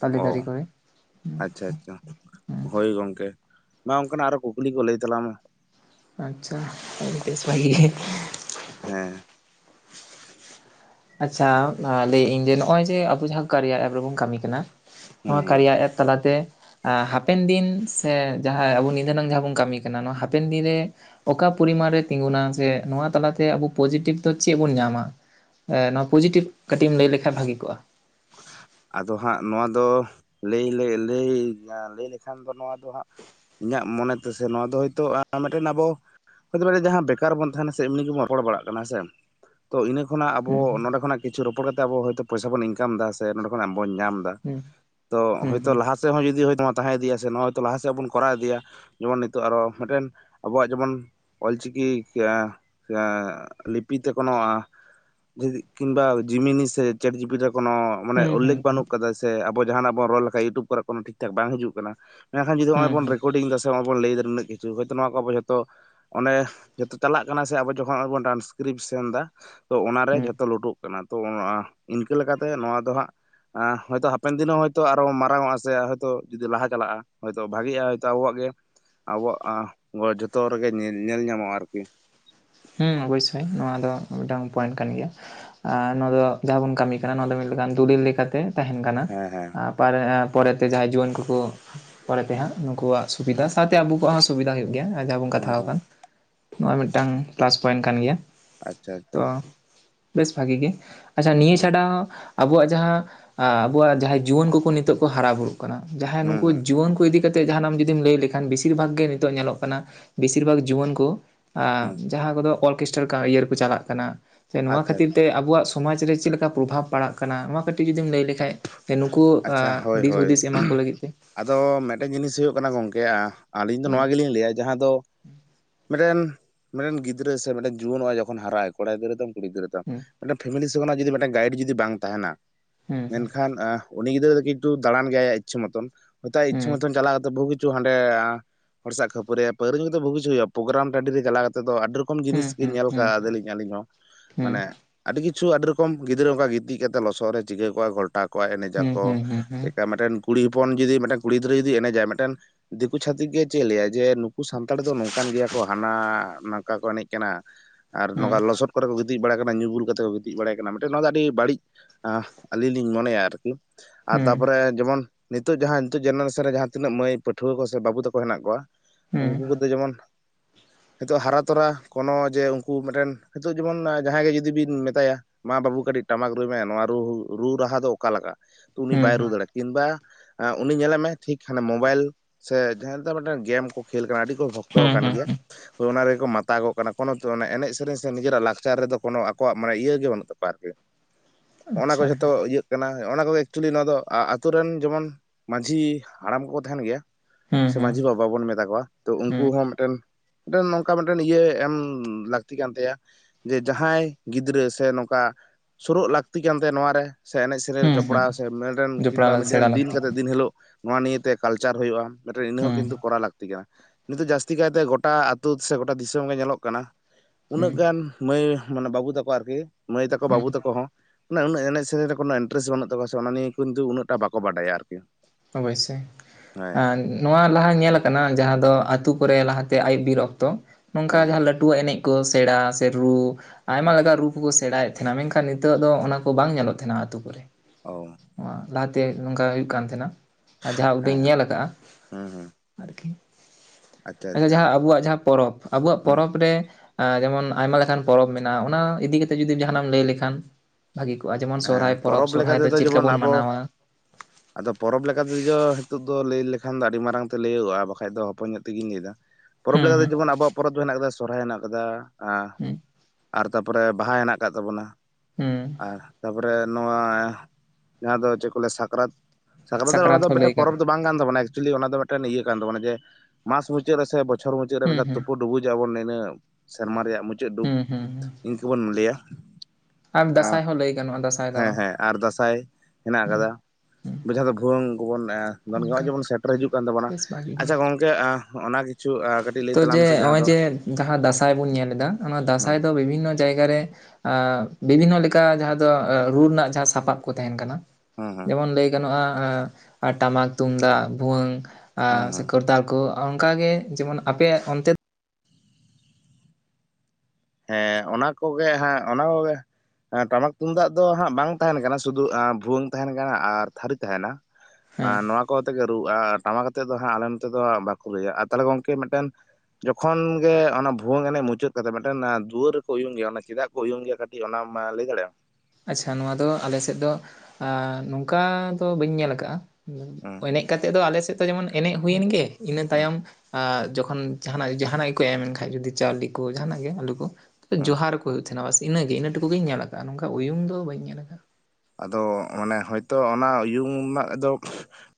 ᱛᱟᱞᱤ ᱚ ᱫᱟᱨᱮ ᱠᱚ ᱨᱮ᱾ ᱟᱪᱪᱷᱟ ᱟᱪᱪᱷᱟ ᱦᱳᱭ ᱜᱚᱝᱠᱮ ᱢᱟ ᱚᱱᱠᱟᱱᱟᱜ ᱟᱨᱚ ᱠᱩᱠᱞᱤ ᱠᱚ ᱞᱟᱹᱭ ᱛᱟᱞᱟᱝ ᱢᱮ᱾ ᱟᱪᱪᱷᱟ ᱟᱹᱰᱤ ᱵᱮᱥ ᱵᱷᱟᱜᱤ ᱜᱮ᱾ ᱦᱮᱸ, ᱟᱪᱪᱷᱟ ᱞᱟᱹᱭ ᱤᱸᱧ ᱡᱮ ᱱᱚᱜ-ᱚᱭ ᱡᱮ ᱟᱵᱚ ᱡᱟᱦᱟᱸ ᱠᱟᱨᱤᱭᱟ ᱮᱯ ᱨᱮᱵᱚᱱ ᱠᱟᱹᱢᱤ ᱠᱟᱱᱟ᱾ ᱦᱮᱸ ᱱᱚᱣᱟ ᱦᱮᱸ ᱠᱟᱨᱤᱭᱟ ᱮᱯ ᱛᱟᱞᱟᱛᱮ ᱮ ᱦᱟᱯᱮᱱ ᱫᱤᱱ ᱥᱮ ᱡᱟᱦᱟᱸ ᱟᱵᱚ ᱧᱤᱫᱟᱹᱱᱟᱝ ᱡᱟᱦᱟᱸ ᱵᱚᱱ ᱠᱟᱹᱢᱤ ᱠᱟᱱᱟ ᱱᱚᱣᱟ ᱦᱟᱯᱮᱱ ᱫᱤᱱ ᱨᱮ ᱚᱠᱟ ᱯᱚᱨᱤᱢᱟᱱ ᱨᱮ ᱛᱤᱸᱜᱩᱱᱟ ᱥᱮ ᱱᱚᱣᱟ ᱛᱟᱞᱟᱛᱮ ᱟᱵᱚ ᱯᱚᱡᱮᱴᱤᱵᱽ ᱫᱚ ᱪᱮᱫ ᱵᱚᱱ ᱧᱟᱸᱢᱟ᱾ ᱱᱚᱣᱟ ᱯᱚᱡᱮᱴᱤᱵᱽ ᱠᱟᱹᱴᱤᱡ ᱮᱢ ᱞᱟᱹᱭ ᱞᱮᱠᱷᱟᱱ ᱵᱷᱟᱜᱤ ᱠᱚᱜ-ᱟ᱾ ᱟᱫᱚ ᱦᱟᱜ ᱱᱚᱣᱟ ᱫᱚ ᱞᱟᱹᱭ ᱞᱟᱹᱭ ᱞᱟᱹᱭ ᱞᱟᱹᱭ ᱞᱮᱠᱷᱟᱱ ᱫᱚ ᱱᱚᱣᱟ ᱫᱚ ᱦᱟᱜ ᱤᱧᱟᱹᱜ ᱢᱚᱱᱮ ᱛᱮᱥᱮ ᱱᱚᱣᱟ ᱫᱚ ᱦᱚᱭᱛᱳ ᱢᱤᱫᱴᱮᱱ ᱟᱵᱚ [unintelligible] ᱡᱟᱦᱟᱸ ᱵᱮᱠᱟᱨ ᱵᱚᱱ ᱛᱟᱦᱮᱱᱟ ᱥᱮ ᱮᱢᱱᱤ ᱜᱮᱵᱚᱱ ᱨᱚᱲ ᱵᱟᱲᱟᱜ ᱠᱟᱱᱟ ᱦᱮᱥᱮ ᱛᱚ ᱤᱱᱟᱹ ᱠᱷᱚᱱᱟᱜ ᱟᱚ ᱦᱩᱸ ᱱᱚᱰᱮ ᱠᱷᱚᱱᱟᱜ ᱠᱤᱪᱷᱩ ᱨᱚᱯᱚᱲ ᱠᱟᱛᱮ ᱟᱵᱚ ᱦᱳᱭᱛᱚ ᱯᱚᱭᱥᱟ ᱵᱚᱱ ᱤᱱᱠᱟᱢ ᱮᱫᱟ ᱥᱮ ᱱᱚᱰᱮ ᱠᱷᱚᱱᱟᱜ ᱵᱚᱱ ᱧᱟᱢᱫᱟ᱾ ᱦᱩᱸ ᱛᱚ ᱦᱩᱸ ᱦᱳᱭᱛᱳ ᱦᱩᱸ ᱞᱟᱦᱟ ᱥᱮᱫ ᱦᱚᱸ ᱡᱩᱫᱤ ᱦᱳᱭᱛᱳ ᱛᱟᱦᱮᱸ ᱤᱫᱤᱟᱹ ᱥᱮ ᱱᱚᱶᱟ ᱦᱳᱭᱛᱳ ᱞᱟᱦᱟ ᱥᱮᱫ ᱵᱚᱱ ᱠᱚᱨᱟᱣ ᱤᱫᱤᱭᱟ᱾ ᱡᱮᱢᱚᱱ ᱱᱤᱛᱚᱜ ᱟᱨᱚ ᱢᱤᱫᱴᱮᱱ ᱟᱵᱚᱣᱟᱜ ᱡᱮᱢᱚᱱ ᱚᱞ ᱪᱤᱠᱤ ᱞᱤᱯᱤᱛᱮ ᱠᱳᱱᱳ ᱡᱩᱫᱤ ᱠᱤᱱᱵᱟ ᱡᱤᱢᱤᱱᱤ ᱥᱮ ᱪᱮᱴ ᱡᱤᱯᱤᱴᱤ ᱠᱚᱱᱳ ᱢᱟᱱᱮ ᱦᱩᱸ ᱦᱩᱸ ᱩᱞᱮᱠᱷ ᱦᱩᱸ ᱵᱟᱹᱱᱩᱜ ᱠᱟᱫᱟ ᱥᱮ ᱟᱵᱚ ᱡᱟᱦᱟᱱᱟᱜ ᱵᱚᱱ ᱨᱚᱲ ᱞᱮᱠᱷᱟᱱ ᱤᱭᱩᱴᱩᱵᱽ ᱠᱚᱨᱮ ᱠᱚᱱᱳ ᱴᱷᱤᱠ ᱴᱷᱟᱠ ᱵᱟᱝ ᱦᱤᱡᱩᱜ ᱠᱟᱱᱟ᱾ ᱢᱮᱱᱠᱷᱟᱱ ᱡᱩᱫᱤ ᱚᱚᱭ ᱦᱩᱸ ᱵᱚᱱ ᱦᱩᱸ ᱨᱮᱠᱰᱤᱝ ᱮᱫᱟ ᱥᱮ ᱱᱚᱭ ᱵᱚᱱ ᱞᱟᱹᱭ ᱮᱫᱟ ᱱᱩᱱᱟᱹᱜ ᱠᱤᱪᱷᱩ ᱦᱚᱭᱛᱳ ᱱᱚᱣᱟ ᱠᱚ ᱟᱵᱚ ᱡᱷᱚᱛᱚ ᱚᱱᱰᱮ ᱡᱚᱛᱚ ᱪᱟᱞᱟᱜ ᱠᱟᱱᱟ ᱥᱮ ᱟᱵᱚ ᱡᱚᱠᱷᱚᱱ ᱵᱚᱱ ᱴᱨᱟᱱᱥᱠᱨᱤᱯᱥᱮᱱᱫᱟ᱾ ᱛᱚ ᱚᱱᱟᱨᱮ ᱦᱩᱸ ᱡᱷᱚᱛᱚ ᱞᱳᱴᱳᱜ ᱠᱟᱱᱟ ᱛᱚ ᱤᱱᱠᱟᱹ ᱞᱮᱠᱟᱛᱮ ᱱᱚᱣᱟ ᱫᱚ ᱦᱟᱜ ᱮᱦ ᱦᱳᱭᱛᱳ ᱦᱟᱯᱮᱱ ᱫᱤᱱ ᱦᱚᱸ ᱦᱳᱭᱛᱳ ᱟᱨᱚ ᱢᱟᱨᱟᱝ ᱚᱜ-ᱟ ᱥᱮ ᱦᱳᱭᱛᱳ ᱡᱩᱫᱤ ᱞᱟᱦᱟ ᱪᱟᱞᱟᱜ-ᱟ ᱦᱳᱭᱛᱳ ᱵᱷᱟᱜᱤᱜ-ᱟ ᱦᱳᱭᱛᱳ ᱟᱵᱚᱣᱟᱜ ᱜᱮ᱾ ᱟᱵᱚᱣᱟᱜ ᱡᱚᱛᱚ ᱨᱮᱜᱮ ᱧᱮᱞ ᱧᱮᱞ ᱧᱟᱢᱚᱜ-ᱟ ᱟᱨᱠᱤ᱾ ᱦᱩᱸ ᱚᱵᱚᱥᱥᱳᱭ ᱱᱚᱣᱟ ᱫᱚ ᱢᱤᱫᱴᱟᱝ ᱯᱚᱭᱮᱱᱴ ᱠᱟᱱ ᱜᱮᱭᱟ᱾ ᱱᱚᱣᱟ ᱡᱟᱦᱟᱸ ᱵᱚᱱ ᱠᱟᱹᱢᱤ ᱠᱟᱱᱟ ᱱᱚᱣᱟ ᱫᱚ ᱢᱤᱫ ᱞᱮᱠᱟᱱ ᱫᱩᱞᱤᱞ ᱞᱮᱠᱟᱛᱮ ᱛᱟᱦᱮᱱ ᱠᱟᱱᱟ᱾ ᱦᱮᱸ ᱦᱮᱸ ᱯᱚᱨᱮᱛᱮ ᱡᱟᱦᱟᱸᱭ ᱡᱩᱣᱟᱹᱱ ᱠᱚᱠᱚ ᱯᱚᱨᱮᱛᱮ ᱦᱟᱜ ᱱᱩᱠᱩᱣᱟᱜ ᱥᱩᱵᱤᱫᱟ ᱥᱟᱶᱛᱮ ᱟᱵᱚ ᱠᱚᱣᱟᱜ ᱦᱚᱸ ᱥᱩᱵᱤᱫᱟ ᱦᱩᱭᱩᱜ ᱜᱮᱭᱟ ᱦᱮ ᱵᱚᱱ ᱦᱮᱸ ᱠᱟᱛᱷᱟᱣ ᱟᱠᱟᱱ ᱦᱮᱸ ᱱᱚᱣᱟ ᱢᱤᱫᱴᱟᱝ ᱯᱞᱟᱥ ᱯᱚᱭᱮᱱᱴ ᱠᱟᱱ ᱜᱮᱭᱟ᱾ ᱟᱪᱪᱷᱟ ᱟᱪᱪᱷᱟ ᱛᱚ ᱵᱮᱥ ᱵᱷᱟᱜᱤ ᱜᱮ ᱟᱪᱪᱷᱟ ᱱᱤᱭᱟᱹ ᱦᱮᱸ ᱪᱷᱟᱰᱟ ᱟᱵᱚᱣᱟᱜ ᱡᱟᱦᱟᱸ ᱟᱵᱚᱣᱟᱜ ᱡᱟᱦᱟᱸᱭ ᱡᱩᱣᱟᱹᱱ ᱠᱚᱠᱚ ᱱᱤᱛᱚᱜ ᱠᱚ ᱦᱟᱨᱟ ᱵᱩᱨᱩᱜ ᱠᱟᱱᱟ ᱡᱟᱦᱟᱸᱭ ᱦᱮᱸ ᱱᱩᱠᱩ ᱦᱮᱸ ᱡᱩᱣᱟᱹᱱ ᱠᱚ ᱤᱫᱤ ᱠᱟᱛᱮ ᱡᱟᱦᱟᱱᱟᱢ ᱡᱩᱫᱤᱢ ᱞᱟᱹᱭ ᱞᱮᱠᱷᱟᱱ ᱵᱮᱥᱤᱨ ᱵᱷᱟᱜᱽ ᱜᱮ ᱱᱤᱛᱚᱜ ᱧᱮᱞᱚᱜ ᱠᱟᱱᱟ ᱵᱮᱥᱤᱨ ᱵᱷᱟᱜᱽ ᱡᱩᱣᱟᱹᱱ ᱠᱚ ᱟ ᱦᱮᱸ ᱡᱟᱦᱟᱸ ᱠᱚᱫᱚ ᱚᱨᱠᱮᱥᱴᱟᱨ ᱤᱭᱟᱹᱨᱮᱠᱚ ᱪᱟᱞᱟᱜ ᱠᱟᱱᱟ ᱥᱮ ᱱᱚᱣᱟ ᱟᱪᱪᱷᱟ ᱠᱷᱟᱹᱛᱤᱨ ᱟᱪᱪᱷᱟ ᱛᱮ ᱟᱵᱚᱣᱟᱜ ᱥᱚᱢᱟᱡ ᱨᱮ ᱪᱮᱫ ᱞᱮᱠᱟ ᱯᱨᱚᱵᱷᱟᱵᱽ ᱯᱟᱲᱟᱜ ᱠᱟᱱᱟ ᱱᱚᱣᱟ ᱠᱟᱹᱴᱤᱡ ᱡᱩᱫᱤᱢ ᱞᱟᱹᱭ ᱞᱮᱠᱷᱟᱡ ᱱᱩᱠᱩ ᱟᱪᱪᱷᱟ ᱦᱳᱭ ᱫᱤᱥ ᱦᱳᱭ ᱦᱩᱫᱤᱥ ᱮᱢᱟ ᱠᱚ ᱞᱟᱹᱜᱤᱫ ᱛᱮ᱾ ᱟᱫᱚ ᱢᱤᱫᱴᱮᱱ ᱡᱤᱱᱤᱥ ᱦᱩᱭᱩᱜ ᱠᱟᱱᱟ ᱜᱚᱝᱠᱮ ᱟᱹᱞᱤᱧ ᱫᱚ ᱱᱚᱣᱟ ᱜᱮᱞᱤᱧ ᱞᱟᱹᱭᱟ ᱡᱟᱦᱟᱸ ᱫᱚ [unintelligible] ᱢᱤᱫᱴᱮᱱ ᱢᱤᱫᱴᱮᱱ ᱜᱤᱫᱽᱨᱟᱹ ᱥᱮ ᱢᱤᱫᱴᱮᱱ ᱡᱩᱣᱟᱹᱱ ᱱᱚᱜ-ᱟᱭ ᱡᱚᱠᱷᱚᱱ ᱮ ᱦᱟᱨᱟᱜ-ᱟᱭ ᱠᱚᱲᱟ ᱜᱤᱫᱽᱨᱟᱹ ᱛᱟᱢ ᱠᱩᱲᱤ ᱜᱤᱫᱽᱨᱟᱹ ᱛᱟᱢ ᱦᱩᱸ ᱢᱤᱫᱴᱮᱱ ᱯᱷᱮᱢᱮᱞᱤ ᱛᱚ ᱚᱱᱟ ᱡᱩᱫᱤ ᱢᱤᱫᱴᱟᱝ ᱜᱟᱭᱤᱰ ᱡᱩᱫᱤ ᱵᱟᱝ ᱛᱟᱸᱦᱮᱱᱟ ᱦᱩᱸ ᱢᱮᱱᱠᱷᱟᱱ ᱟ... ᱩᱱᱤ ᱜᱤᱫᱽᱨᱟᱹ ᱫᱚ ᱠᱤᱱᱛᱩ ᱫᱟᱬᱟᱱ ᱜᱮᱭᱟᱭ ᱟᱭᱟᱜ ᱤᱪᱷᱟᱹ ᱢᱚᱛᱚᱱ ᱦᱚᱸ ᱛᱟᱭ ᱟᱭᱟᱜ ᱤᱪᱷᱟᱹ ᱦᱩᱸ ᱢᱚᱛᱚᱱ ᱪᱟᱞᱟᱣ ᱠᱟᱛᱮ ᱵᱩᱠᱤᱪᱷᱩ ᱫᱩ ᱦᱟᱸᱰᱮ ᱦᱚᱲ ᱥᱟᱶᱟᱜ ᱠᱷᱟᱹᱯᱟᱹᱨᱟᱹ ᱯᱟᱹᱣᱨᱟ. ᱧᱩ ᱠᱟᱛᱮ ᱫᱚ ᱵᱚᱦᱩ ᱠᱤᱪᱷᱩ ᱦᱩᱭᱩᱜᱼᱟ ᱯᱨᱚᱜᱨᱟᱢ ᱴᱟᱺᱰᱤ ᱨᱮ ᱪᱟᱞᱟᱣ ᱠᱟᱛᱮ ᱫᱚ ᱟᱹᱰᱤ ᱨᱚ.... -ᱠᱚᱢ ᱡᱤᱱᱤᱥ ᱦᱩᱸ ᱜᱮᱞᱤᱧ ᱦᱩᱸ ᱧᱮᱞ ᱟᱠᱟ ᱦᱩᱸ ᱟᱫᱮᱞᱤᱧ ᱟᱹᱞᱤᱧ ᱦᱚᱸ ᱦᱩᱸ ᱢᱟᱱᱮ ᱟᱹᱰᱤ ᱠᱤᱪᱷᱩ ᱟᱹᱰᱤ ᱨᱚᱠᱚᱢ ᱜᱤᱫᱽᱨᱟᱹ ᱚᱱᱠᱟ ᱜᱤᱛᱤᱡ ᱠᱟᱛᱮ ᱞᱚᱥᱚᱫ ᱨᱮ ᱪᱤᱠᱟᱹ ᱠᱚᱜ-ᱟᱭ ᱜᱷᱚᱞᱴᱟ..... ᱠᱚᱜ-ᱟᱭ, ᱮᱱᱮᱡ ᱦᱩᱸ ᱟᱠᱚ ᱦᱩᱸ ᱦᱩᱸ ᱪᱮᱠᱟ ᱢᱤᱫᱴᱮᱱ ᱠᱩᱲᱤ ᱦᱚᱯᱚᱱ ᱡᱩᱫᱤ ᱢᱤᱫᱴᱮᱱ ᱠᱩᱲᱤ ᱜᱤᱫᱽᱨᱟᱹ ᱡᱩᱫᱤ ᱮᱱᱮᱡ-ᱟᱭ ᱢᱤᱫᱴᱮᱱ ᱫᱤᱠᱩ ᱪᱷᱟᱹᱛᱤᱠ ᱜᱮ ᱪᱮᱫ ᱞᱟᱹᱭᱟᱭ ᱡᱮ ᱱᱩᱠᱩ ᱥᱟᱱᱛᱟᱲ ᱫᱚ ᱱᱚᱝᱠᱟᱱ ᱜᱮᱭᱟ ᱠᱚ ᱦᱟᱱᱟ ᱱᱷᱟᱝᱠᱟ ᱠᱚ ᱮᱱᱮᱡ ᱠᱟᱱᱟ ᱟᱨ ᱱᱚᱝᱠᱟ ᱦᱩᱸ ᱞᱚᱥᱚᱫ ᱠᱚᱨᱮ ᱠᱚ ᱜᱤᱛᱤᱡ ᱵᱟᱲᱟᱭ ᱠᱟᱱᱟ ᱧᱩ ᱵᱩᱞ ᱠᱟᱛᱮ ᱠᱚ ᱜᱤᱛᱤᱡ ᱵᱟᱲᱟᱭ ᱠᱟᱱᱟ ᱢᱤᱫᱴᱮᱱ ᱱᱚᱣᱟ ᱫᱚ ᱟᱹᱰᱤ ᱵᱟᱹᱲᱤᱡ ᱟ...... ᱟᱹᱞᱤᱧ ᱞᱤᱧ ᱢᱚᱱᱮᱭᱟ ᱟᱨᱠᱤ ᱦᱩᱸ ᱟᱨ ᱦᱩᱸ ᱛᱟᱯᱚᱨᱮ ᱡᱮᱢᱚᱱ ᱱᱤᱛᱚᱜ ᱡᱟᱦᱟᱸ ᱱᱤᱛᱚᱜ ᱡᱮᱱᱟᱨᱮᱥᱚᱱ ᱨᱮ ᱡᱟᱦᱟᱸ ᱛᱤᱱᱟᱹᱜ ᱢᱟᱹᱭ ᱯᱟᱹᱴᱷᱩᱣᱟᱹ ᱠᱚ ᱥᱮ ᱵᱟᱵᱩ ᱛᱟᱠᱚ ᱦᱮᱱᱟᱜ ᱠᱚᱣᱟ ᱦᱩᱸ ᱩᱱᱠᱩ ᱠᱚ ᱫᱚ ᱡᱮᱢᱚᱱ ᱱᱤᱛᱚᱜ ᱦᱟᱨᱟ ᱛᱚᱨᱟ ᱠᱳᱱᱳ ᱡᱮ ᱩᱱᱠᱩ ᱢᱤᱫᱴᱮᱱ ᱱᱤᱛᱚᱜ ᱡᱮᱢᱚᱱ ᱡᱟᱦᱟᱸᱭ ᱜᱮ ᱡᱩᱫᱤ ᱵᱤᱱ ᱢᱮᱛᱟᱭᱟ ᱢᱟ ᱵᱟᱹᱵᱩ ᱠᱟᱹᱴᱤᱡ ᱴᱟᱢᱟᱠ ᱨᱩᱭ ᱢᱮ ᱱᱚᱣᱟ ᱨᱩ... ᱨᱩ ᱨᱟᱦᱟ ᱫᱚ ᱚᱠᱟ ᱞᱟᱠᱟ ᱛᱚ ᱩᱱᱤ ᱦᱩᱸ ᱦᱩᱸ ᱦᱩᱸ ᱵᱟᱭ ᱦᱩᱸ ᱨᱩ ᱫᱟᱲᱮᱭᱟᱜ ᱠᱤᱢᱵᱟ ᱩᱱᱤ ᱧᱮᱞᱮ ᱢᱮ ᱴᱷᱤᱠ ᱦᱟᱱᱮ ᱢᱳᱵᱟᱭᱤᱞ ᱥᱮ ᱡᱟᱦᱟᱸ ᱫᱚ ᱢᱤᱫᱴᱟᱝ ᱜᱮᱢ ᱠᱚ ᱠᱷᱮᱞ ᱠᱟᱱᱟ ᱟᱹᱰᱤ ᱠᱚ ᱵᱷᱚᱠᱛᱳ ᱦᱩᱸ ᱦᱩᱸ ᱟᱠᱟᱱ ᱜᱮᱭᱟ ᱦᱩᱸ ᱦᱚᱭ ᱚᱱᱟ ᱨᱮ ᱠᱚ ᱢᱟᱛᱟᱣ ᱠᱟᱜ ᱠᱟᱱᱟ ᱠᱳᱱᱳ ᱛᱚ ᱚᱱᱮ ᱮᱱᱮᱡ ᱥᱮᱨᱮᱧ ᱥᱮ ᱱᱤᱡᱮᱨᱟᱜ ᱞᱟᱠᱪᱟᱨ ᱨᱮᱫᱚ ᱠᱚᱱᱳ ᱟᱠᱚᱣᱟᱜ ᱢᱟᱱᱮ ᱤᱭᱟᱹ ᱜᱮ ᱵᱟᱹᱱᱩᱜ ᱛᱟᱠᱚᱣᱟ ᱟᱨᱠᱤ ᱚᱱᱟ ᱠᱚ ᱟᱪᱪᱷᱟ ᱡᱷᱚ.... ᱤᱭᱟᱹᱜ ᱠᱟᱱᱟ ᱚᱱᱟ ᱠᱚᱜᱮ ᱮᱠᱪᱩᱭᱮᱞᱤ ᱱᱚᱣᱟ ᱫᱚ ᱟᱛᱳ ᱨᱮᱱ ᱡᱮᱢᱚᱱ ᱢᱟᱺᱡᱷᱤ ᱦᱟᱲᱟᱢ ᱠᱚ ᱛᱟᱦᱮᱱ ᱜᱮᱭᱟ ᱦᱩᱸ ᱥᱮ ᱦᱩᱸ ᱢᱟᱹᱡᱷᱤ ᱵᱟᱵᱟ ᱵᱚᱱ ᱢᱮᱛᱟ ᱠᱚᱣᱟ ᱛᱚ ᱩᱱᱠᱩ ᱦᱩᱸ ᱦᱚᱸ ᱢᱮᱴᱮᱱ ᱢᱮᱴᱮᱱ ᱱᱚᱝᱠᱟ ᱢᱮᱫᱴᱮᱱ ᱤᱭᱟᱹ ᱮᱢ ᱞᱟᱹᱠᱛᱤ ᱠᱟᱱ ᱛᱟᱭᱟ ᱡᱮ ᱡᱟᱦᱟᱸᱭ ᱜᱤᱫᱽᱨᱟᱹ ᱥᱮ ᱱᱚᱠᱟ ᱥᱩᱨᱩᱜ ᱞᱟᱹᱠᱛᱤ ᱠᱟᱱ ᱛᱟᱭᱟ ᱱᱚᱣᱟᱨᱮ ᱥᱮ ᱮᱱᱮᱡ ᱥᱮᱨᱮᱧ ᱦᱩᱸ ᱦᱩᱸ ᱡᱚᱯᱲᱟᱣ ᱥᱮ ᱢᱮᱰᱮᱱ ᱡᱚᱯᱲᱟᱣ ᱠᱤᱝᱵᱟ ᱞᱟᱹᱜᱤᱫ ᱢᱤᱫᱴᱮᱱ ᱥᱮᱬᱟ ᱫᱤᱱ ᱞᱟᱹᱠᱛᱤ ᱠᱟᱛᱮ ᱠᱟᱱᱟ ᱫᱤᱱ ᱦᱤᱞᱳᱜ ᱱᱚᱣᱟ ᱱᱤᱭᱮᱛᱮ ᱠᱟᱞᱪᱟᱨ ᱦᱳᱭᱳᱜ-ᱟ ᱢᱤᱫᱴᱮᱱ ᱤᱱᱟ ᱦᱚᱸ ᱦᱩᱸ ᱠᱤᱱᱛᱩ ᱠᱚᱨᱟᱣ ᱞᱟᱜ ᱛᱤ ᱠᱟᱱᱟ ᱱᱩᱭ ᱫᱚ ᱡᱟᱹᱥᱛᱤ ᱠᱟᱭᱛᱮ ᱜᱚᱴᱟ ᱟᱛᱳ ᱥᱮ ᱜᱚᱴᱟ ᱫᱤᱥᱚᱢ ᱜᱮ ᱧᱮᱞᱚᱜ ᱠᱟᱱᱟ ᱩᱱᱟᱹᱜ ᱦᱩᱸ ᱜᱟᱱ ᱢᱟᱹᱭ ᱢᱟᱱᱮ ᱵᱟᱹᱵᱩ ᱛᱟᱠᱚ ᱟᱨᱠᱤ ᱢᱟᱹᱭ ᱛᱟᱠᱚ ᱦᱩᱸ ᱵᱟᱹᱩᱟ ᱛᱟᱠᱚ ᱦᱚᱸ ᱢᱟᱱᱮ ᱩᱱᱟᱹᱜ ᱮᱱᱮᱡ ᱥᱮᱨᱮᱧ ᱨᱮ ᱠᱳᱱᱳ ᱤᱱᱴᱨᱮᱥ ᱵᱟᱹᱱᱩᱜ ᱛᱟᱠᱚᱣᱟ ᱥᱮ ᱚᱱᱟ ᱱᱤᱭᱟᱹ ᱠᱤᱱᱛᱩ ᱩᱱᱟᱹᱜ ᱴᱟ ᱵᱟᱠᱚ ᱵᱟᱰᱟᱭᱟ ᱟᱨᱠᱤ᱾ ᱚᱵᱚᱥᱥᱚᱭ ᱦᱮᱸ ᱟᱨ, ᱱᱚᱣᱟ ᱞᱟᱦᱟ ᱧᱮᱞ ᱟᱠᱟᱱᱟ ᱡᱟᱦᱟᱸ ᱫᱚ ᱟᱛᱩ ᱠᱚᱨᱮ ᱞᱟᱦᱟᱛᱮ ᱟᱭᱩᱵ ᱵᱤᱨ ᱚᱠᱛᱚ ᱱᱚᱝᱠᱟ ᱦᱮᱸ ᱡᱟᱦᱟᱸ ᱦᱮᱸ ᱞᱟᱹᱴ ᱴᱩ ᱮᱱᱮᱡ ᱠᱚ ᱥᱮᱬᱟ ᱥᱮ ᱨᱩ ᱟᱭᱢᱟ ᱠᱟᱡᱟ ᱨᱩ ᱠᱚᱠᱚ ᱥᱮᱬᱟᱭᱮᱫ ᱛᱷᱮᱱᱟ ᱢᱮᱱᱠᱷᱟᱱ ᱱᱤᱛᱚᱜ ᱫᱚ ᱚᱱᱟ ᱠᱚ ᱵᱟᱝ ᱧᱮᱞᱚᱜ ᱛᱷᱮᱱᱟ ᱟᱛᱩ ᱠᱚᱨᱮ᱾ ᱚ ᱞᱟᱦᱟᱛᱮ ᱱᱚᱝᱠᱟ ᱦᱩᱭᱩᱜ ᱠᱟᱱ ᱛᱮᱦᱮᱸᱱᱟ᱾ ᱟᱨ ᱡᱟᱦᱟᱸ ᱦᱮᱸ ᱩᱫᱟᱹᱤᱧ ᱦᱮᱸ ᱧᱮᱞ ᱟᱠᱟᱜ-ᱟ ᱦᱩᱸ ᱦᱩᱸ ᱟᱨᱠᱤ ᱟᱪᱪᱷᱟ ᱡᱟᱦᱟᱸ ᱟᱵᱚᱣᱟᱜ ᱡᱟᱦᱟᱸ ᱯᱚᱨᱚᱵᱽ ᱟᱵᱚᱣᱟᱜ ᱦᱮᱸ ᱯᱚᱨᱚᱵᱽ ᱨᱮ ᱟ ᱡᱮᱢᱚᱱ ᱟᱭᱢᱟ ᱠᱟᱛᱷᱟᱱ ᱯᱚᱨᱚᱵᱽ ᱢᱮᱱᱟᱜ-ᱟ ᱚᱱᱟ ᱤᱫᱤ ᱠᱟᱛᱮᱜ ᱡᱩᱫᱤ ᱡᱟᱦᱟᱱᱟᱜ ᱮᱢ ᱞᱟᱹᱭ ᱞᱮᱠᱷᱟᱱ ᱵᱷᱟᱜᱤ ᱠᱚᱜ-ᱟ ᱡᱮᱢᱚᱱ ᱦᱮᱸ ᱥᱚᱨᱦᱟᱭ ᱯᱚᱨᱚᱵᱽ, ᱥᱚᱨᱦᱟᱭ ᱫᱚ ᱛᱮᱫᱚ ᱪᱮᱫ ᱞᱮᱠᱟ ᱡᱮᱢᱚᱱ ᱵᱚᱱ ᱟᱵᱚ ᱢᱟᱱᱟᱣᱟ? [inaudible] ᱟᱫᱚ ᱯᱚᱨᱚᱵᱽ ᱞᱮᱠᱟᱛᱮᱫᱚ ᱦᱤᱛᱚᱜ ᱫᱚ ᱞᱟᱹᱭ ᱞᱮᱠᱷᱟᱱ ᱫᱚ ᱟᱹᱰᱤ ᱢᱟᱨᱟᱝ ᱛᱮ ᱞᱟᱹᱭᱚᱜ-ᱟ ᱵᱟᱠᱷᱟᱡ ᱫᱚ ᱦᱚᱯᱚᱱ ᱧᱚᱜ ᱛᱮᱜᱮᱧ ᱞᱟᱹᱭᱫᱟ ᱯᱚᱨᱚᱵᱽ ᱦᱩᱸ ᱞᱮᱠᱟᱛᱮ ᱦᱩᱸ ᱡᱮᱢᱚᱱ ᱟᱵᱚᱣᱟᱜ ᱯᱚᱨᱚᱵᱽ ᱫᱚ ᱦᱮᱱᱟᱜ ᱠᱟᱫᱟ ᱥᱚᱦᱨᱟᱭ ᱦᱮᱱᱟᱜ ᱠᱟᱫᱟ ᱟ ᱦᱩᱸ ᱟᱨ ᱛᱟᱯᱚᱨᱮ ᱵᱟᱦᱟ ᱦᱮᱱᱟᱜ ᱠᱟᱫ ᱛᱟᱵᱚᱱᱟ ᱦᱩᱸ ᱟᱨ ᱛᱟᱯᱚᱨᱮ ᱱᱚᱣᱟ ᱡᱟᱦᱟᱸ ᱫᱚ ᱪᱮᱫ ᱠᱚ ᱞᱟᱹᱭᱟ ᱥᱟᱠᱨᱟᱛ ᱥᱟᱠᱨᱟᱛ ᱚᱱᱟ ᱫᱚ ᱦᱚᱸ ᱢᱮᱫᱴᱮᱱ ᱞᱟᱹᱭ ᱯᱚᱨᱚᱵᱽ ᱜᱟᱱᱚᱜᱼᱟ ᱫᱚ ᱵᱟᱝ ᱠᱟᱱ ᱛᱟᱵᱚᱱᱟ ᱮᱠᱪᱩᱭᱞᱤ ᱚᱱᱟ ᱫᱚ ᱢᱮᱫᱴᱮᱱ ᱤᱭᱟᱹ ᱠᱟᱱ ᱛᱵᱚᱱᱟ ᱡᱮ ᱢᱟᱥ ᱢᱩᱪᱟᱹᱫ ᱨᱮ ᱥᱮ ᱵᱚᱪᱷᱚᱨ ᱢᱩᱪᱟᱹᱫ ᱨᱮ ᱢᱤᱫ ᱦᱩᱸ ᱫᱷᱟᱣ ᱦᱩᱸ ᱛᱩᱯᱩᱫ ᱰᱩᱵᱩᱡᱟᱵᱚᱱ ᱤᱱᱟᱹ ᱥᱮᱨᱢᱟ ᱨᱮᱭᱟᱜ ᱢᱩᱪᱟᱹᱫ ᱰᱩᱵ ᱦᱩᱸ ᱦᱩᱸ ᱦᱩᱸ ᱤᱱᱠᱟᱹ ᱵᱚᱱ ᱞᱟᱹᱭᱟ ᱟᱨ ᱫᱟᱸᱥᱟᱭ ᱦᱚᱸ ᱞᱟᱹᱭ ᱜᱟᱱᱚᱜ-ᱟ ᱫᱟᱸᱥᱟᱭ ᱦᱮᱸ ᱫᱟᱬᱟᱱ᱾ ᱦᱮᱸ ᱟᱨ ᱫᱟᱸᱥᱟᱭ ᱦᱮᱱᱟᱜ ᱟᱠᱟᱫᱟ ᱵᱩᱡᱷᱟᱹᱣ ᱫᱚ ᱵᱷᱩᱣᱟᱹᱝ ᱠᱚᱵᱚᱱ ᱮ ᱱᱚᱜᱚᱭ ᱚᱱᱠᱟ ᱡᱮᱵᱚᱱ ᱥᱮ ᱴᱨᱮ ᱡᱩᱜ ᱠᱟᱱ ᱛᱟᱵᱚᱱᱟ ᱵᱮᱥ ᱵᱷᱟᱜᱤ ᱜᱮ ᱟᱪᱪᱷᱟ ᱜᱚᱝᱠᱮ ᱚᱱᱟ ᱠᱤᱪᱷᱩ ᱠᱟᱹᱴᱤᱡ ᱞᱟᱹᱭ ᱛᱚ ᱛᱟᱞᱟᱝ ᱡᱮ ᱢᱮᱥᱮ ᱡᱟᱦᱟᱸ ᱱᱚᱜᱼᱚᱭ ᱫᱚ ᱡᱮ ᱡᱟᱦᱟᱸ ᱫᱟᱸᱥᱟᱭ ᱵᱚᱱ ᱧᱮᱞ ᱮᱫᱟ ᱚᱱᱟ ᱦᱮᱸ ᱫᱟᱸᱥᱟᱭ ᱫᱚ ᱵᱤᱵᱷᱤᱱᱱᱚ ᱡᱟᱭᱜᱟ ᱨᱮ ᱟ ᱵᱤᱵᱷᱤᱱᱱᱚ ᱞᱮᱠᱟ ᱡᱟᱦᱟᱸ ᱫᱚ ᱨᱩ ᱨᱮᱱᱟᱜ ᱡᱟᱦᱟᱸ ᱥᱟᱯᱟᱵ ᱠᱚ ᱛᱟᱦᱮᱱ ᱠᱟᱱᱟ ᱦᱮᱸ ᱦᱮᱸ ᱡᱮᱢᱚᱱ ᱞᱟᱹᱭ ᱜᱟᱱᱚᱜ-ᱟ ᱴᱟᱢᱟᱠ ᱛᱩᱢᱫᱟᱜ ᱵᱷᱩᱣᱟᱹᱝ ᱟ ᱦᱮᱸ ᱥᱮ ᱦᱮᱸ ᱠᱚᱨᱛᱟᱞ ᱠᱚ ᱚᱱᱠᱟ ᱜᱮ ᱡᱮᱢᱚᱱ ᱟᱯᱮᱭᱟᱜ ᱚᱱᱛᱮ ᱦᱮᱸ ᱚᱱᱟ ᱠᱚᱜᱮ ᱦᱟᱸᱜ ᱚᱱᱟ ᱠᱚᱜᱮ ᱮᱸ ᱴᱟᱢᱟᱠ ᱛᱩᱢᱫᱟᱜ ᱫᱚ ᱦᱟᱸᱜ ᱵᱟᱝ ᱛᱟᱦᱮᱱ ᱠᱟᱱᱟ ᱥᱩᱫᱩ ᱵᱷᱩᱣᱟᱹᱝ ᱛᱟᱦᱮᱱ ᱠᱟᱱᱟ ᱟᱨ ᱛᱷᱟᱹᱨᱤ ᱛᱟᱦᱮᱱᱟ᱾ ᱟ ᱦᱮᱸ ᱱᱚᱣᱟ ᱠᱚ ᱟᱛᱮᱜᱮ ᱫᱚ ᱟᱨ ᱴᱟᱢᱟᱠ ᱟᱛᱮᱜ ᱫᱚ ᱦᱟᱸᱜ ᱟᱞᱮ ᱱᱚᱛᱮ ᱫᱚ ᱵᱟᱠᱚ ᱞᱟᱹᱭᱟ, ᱟᱨ ᱛᱟᱦᱚᱞᱮ ᱜᱚᱝᱠᱮ ᱢᱤᱫᱴᱮᱱ ᱡᱚᱠᱷᱚᱱ ᱜᱮ ᱚᱱᱟ ᱵᱷᱩᱣᱟᱹᱝ ᱮᱱᱮᱡ ᱢᱩᱪᱟᱹᱫ ᱠᱟᱛᱮ ᱨᱮ ᱚᱱᱟ ᱫᱩᱣᱟᱹᱨ ᱨᱮᱠᱚ ᱩᱭᱩᱝ ᱜᱮᱭᱟ, ᱚᱱᱟ ᱪᱮᱫᱟᱜ ᱠᱚ ᱩᱭᱩᱝ ᱜᱮᱭᱟ ᱠᱟᱹᱴᱤᱡ ᱚᱱᱟ ᱢᱟ ᱞᱟᱹᱭ ᱫᱟᱲᱮᱭᱟᱢ? ᱟᱪᱪᱷᱟ ᱱᱚᱣᱟ ᱫᱚ ᱟᱞᱮ ᱥᱮᱫ ᱫᱚ ᱱᱚᱝᱠᱟ ᱫᱚ ᱵᱟᱹᱧ ᱧᱮᱞ ᱟᱠᱟ-ᱟ ᱦᱮᱸ ᱮᱱᱮᱡ ᱠᱟᱛᱮᱫ ᱫᱚ ᱟᱞᱮ ᱥᱮᱫ ᱫᱚ ᱡᱮᱢᱚᱱ ᱮᱱᱮᱡ ᱦᱩᱭᱮᱱ ᱜᱮ ᱤᱱᱟᱹ ᱦᱮᱸ ᱛᱟᱭᱚᱢ, ᱟ ᱡᱚᱠᱷᱚᱱ ᱡᱟᱦᱱᱟᱜ ᱡᱟᱦᱟᱱᱟᱜ ᱜᱮᱠᱚ ᱮᱢᱮᱱ ᱠᱷᱟᱡ ᱡᱩᱫᱤ ᱪᱟᱣᱞᱮ ᱠᱩ ᱡᱟᱦᱟᱱᱟᱜ ᱜᱮ ᱟᱞᱩ ᱠᱚ ᱛᱚ ᱦᱮᱸ ᱡᱚᱦᱟᱨ ᱠᱚ ᱦᱩᱭᱩᱜ ᱛᱷᱮᱱᱟ ᱵᱟᱥ ᱤᱱᱟᱹᱜᱮ ᱤᱱᱟᱹ ᱴᱩᱠᱩ ᱜᱮ ᱧᱮᱞ ᱟᱠᱟ-ᱟ ᱱᱚᱝᱠᱟ ᱩᱭᱩᱢ ᱫᱚ ᱵᱟᱹᱧ ᱧᱮᱞ ᱟᱠᱟ-ᱟ᱾ ᱟᱫᱚ ᱢᱟᱱᱮ ᱦᱚᱭᱛᱳ ᱚᱱᱟ ᱩᱭᱩᱝ ᱱᱟᱜ ᱫᱚ,